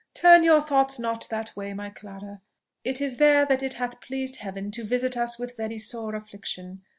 "Turn not your thoughts that way, my Clara! it is there that it hath pleased Heaven to visit us with very sore affliction.